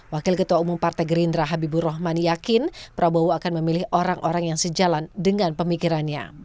wakil ketua umum partai gerindra habibur rahman yakin prabowo akan memilih orang orang yang sejalan dengan pemikirannya